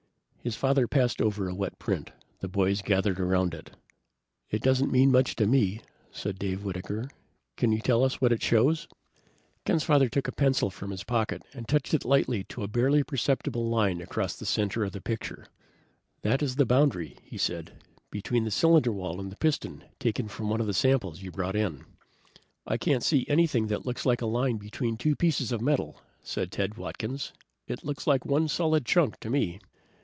His father passed over a wet print. The boys gathered around it. "It doesn't mean much to me," said Dave Whitaker. "Can you tell us what it shows?" Ken's father took a pencil from his pocket and touched it lightly to a barely perceptible line across the center of the picture. "That is the boundary," he said, "between the cylinder wall and the piston taken from one of the samples you brought in." "I can't see anything that looks like a line between two pieces of metal," said Ted Watkins. "It looks like one solid chunk to me."